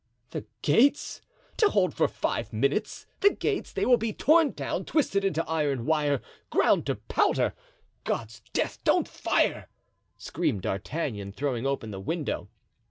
"The gates! to hold for five minutes—the gates, they will be torn down, twisted into iron wire, ground to powder! God's death, don't fire!" screamed D'Artagnan, throwing open the window.